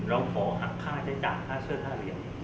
เราขอหักค่าจ่ายจากเสื้อค่าเรียน